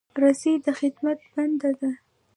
رسۍ د خدمت بنده ده.